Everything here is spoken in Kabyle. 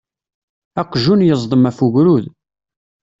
Aqjun yeẓdem af ugrud.